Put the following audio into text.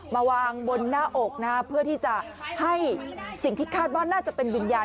มาวางบนหน้าอกนะเพื่อที่จะให้สิ่งที่คาดว่าน่าจะเป็นวิญญาณ